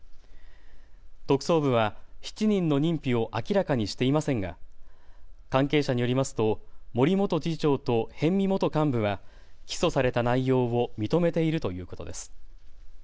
特捜部は７人の認否を明らかにしていませんが関係者によりますと森元次長と逸見元幹部は起訴された内容を認めているということです。